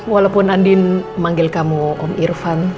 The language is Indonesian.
walaupun andin manggil kamu om irfan